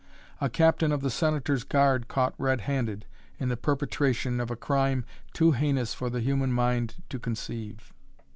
A captain of the Senator's guard caught red handed in the perpetration of a crime too heinous for the human mind to conceive!